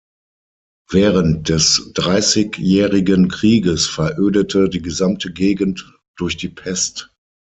Während des Dreißigjährigen Krieges verödete die gesamte Gegend durch die Pest.